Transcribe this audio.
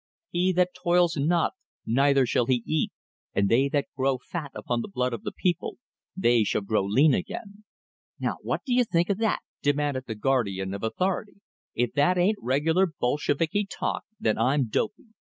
He that toils not, neither shall he eat, and they that grow fat upon the blood of the people they shall grow lean again." "Now what do you think o' that?" demanded the guardian of authority. "If that ain't regular Bolsheviki talk, then I'm dopy.